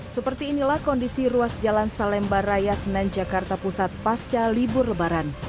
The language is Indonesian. seperti inilah kondisi ruas jalan salemba raya senen jakarta pusat pasca libur lebaran